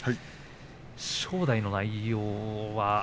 正代の内容。